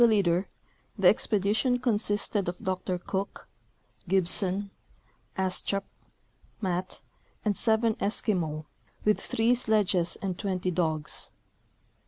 203 leader, the expedition consisted of Dr Cook, Gibson, Astrup, Matt and seven Eskimo, with three sledges and 20 dogs.